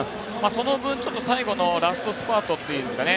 その分、ちょっと最後のラストスパートっていうんですかね。